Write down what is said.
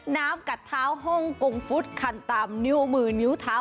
น้ำกัดเท้าห้มกงฟุฑุดคันตำนิ้วมือนิ้วเท้า